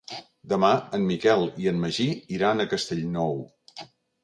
Demà en Miquel i en Magí iran a Castellnou.